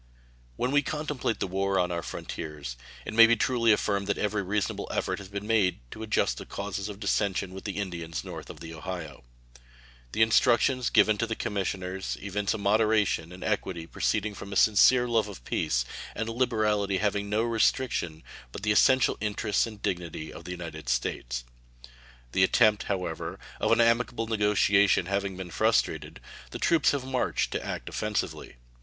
When we contemplate the war on our frontiers, it may be truly affirmed that every reasonable effort has been made to adjust the causes of dissension with the Indians north of the Ohio. The instructions given to the commissioners evince a moderation and equity proceeding from a sincere love of peace, and a liberality having no restriction but the essential interests and dignity of the United States. The attempt, however, of an amicable negotiation having been frustrated, the troops have marched to act offensively.